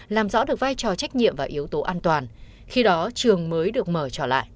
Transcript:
làm rõ được vai trò trách nhiệm và yếu tố an toàn khi đó trường mới được mở trở lại